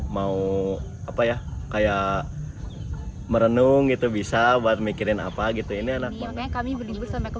mau apa ya kayak merenung itu bisa buat mikirin apa gitu ini anaknya kami berimbus sama ke